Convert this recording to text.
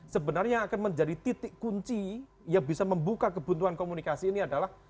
sebenarnya yang akan menjadi titik kunci yang bisa membuka kebutuhan komunikasi ini adalah